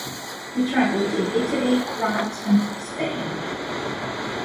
He travelled in Italy, France and Spain.